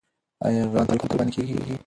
آیا غریبان تل قرباني کېږي؟